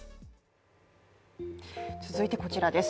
続いてこちらです。